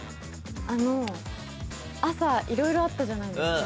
あの朝いろいろあったじゃないですか。